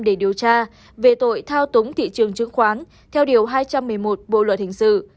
để điều tra về tội thao túng thị trường chứng khoán theo điều hai trăm một mươi một bộ luật hình sự